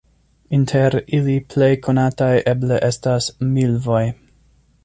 Inter ili plej konataj eble estas milvoj.